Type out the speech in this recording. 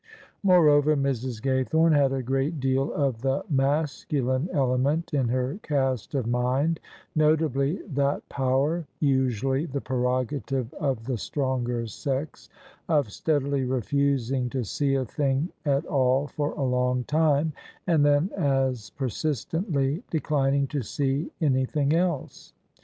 Moreover, Mrs, Gaythorne had a great deal of the masculine element in her cast of mind — ^notably that power, usually the prerogative of the stronger sex, of steadily refusing to see a thing at all for a long time, and then as persistently declining to see anything else.